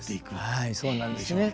はいそうなんですね。